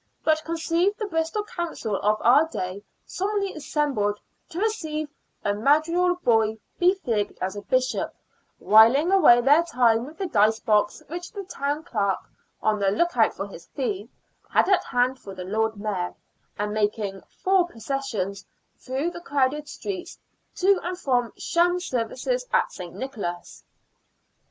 But conceive the Bristol Council of our day solemnly assembled to receive a madrigal boy befigged as a bishop, whiling away their time with the dice box which the Town Clerk — on the look out for his fee — had at hand for the Lord Mayor, and making four processions through the crowded streets to and from sham services at St. Nicholas